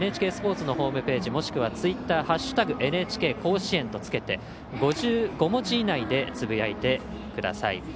ＮＨＫスポーツのホームページもしくはツイッター「＃ＮＨＫ甲子園」とつけて５５文字以内でつぶやいてください。